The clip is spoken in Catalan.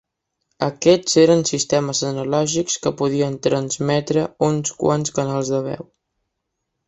Aquests eren sistemes analògics que podien transmetre uns quants canals de veu.